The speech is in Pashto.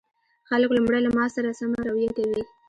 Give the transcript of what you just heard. خلک لومړی له ما سره سمه رويه کوي